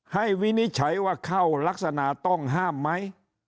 วินิจฉัยว่าเข้ารักษณะต้องห้ามไหม